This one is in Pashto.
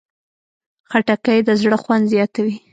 خټکی د زړه خوند زیاتوي.